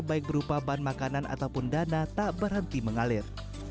baik berupa bahan makanan ataupun dana tak berhenti mengalir